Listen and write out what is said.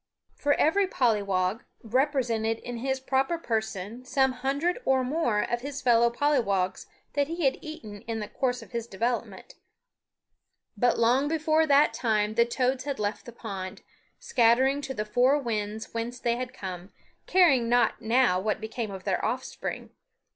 For every pollywog represented in his proper person some hundred or more of his fellow pollywogs that he had eaten in the course of his development. But long before that time the toads had left the pond, scattering to the four winds whence they had come, caring not now what became of their offspring.